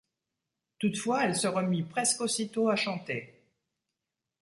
Toutefois, elle se remit presque aussitôt à chanter.